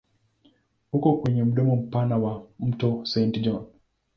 Uko kwenye mdomo mpana wa mto Saint John.